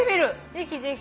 ぜひぜひ。